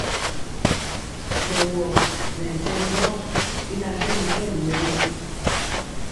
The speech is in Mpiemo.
Nɛ wɔ nɛ ntɛmbɔɔ bi na kɛ mison mɛnɔ.